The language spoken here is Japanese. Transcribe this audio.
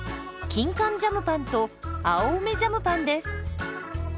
キンカンジャムパンと青梅ジャムパンです。